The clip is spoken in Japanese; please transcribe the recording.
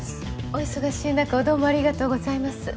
お忙しい中をどうもありがとうございます。